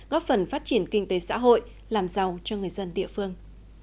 góp phần phát triển kinh tế xã hội làm giàu cho người dân địa phương